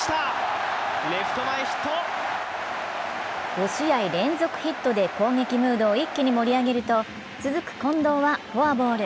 ５試合連続ヒットで攻撃ムードを一気に盛り上げると続く近藤はフォアボール。